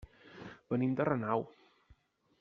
Venim de Renau.